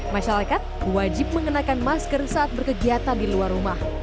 masyarakat wajib mengenakan masker saat berkegiatan di luar rumah